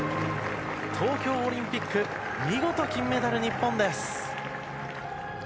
東京オリンピック、見事、金メダル、日本です。